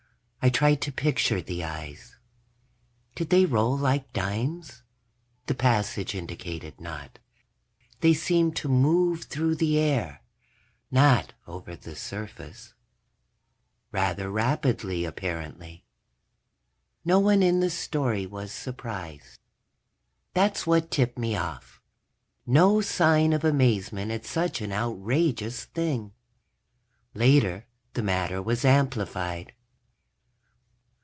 I tried to picture the eyes. Did they roll like dimes? The passage indicated not; they seemed to move through the air, not over the surface. Rather rapidly, apparently. No one in the story was surprised. That's what tipped me off. No sign of amazement at such an outrageous thing. Later the matter was amplified.